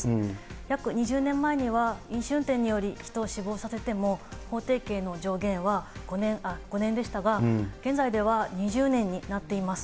約２０年前には、飲酒運転により人を死亡させても、法定刑の上限は５年でしたが、現在では２０年になっています。